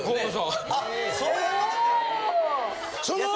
あそういうことか。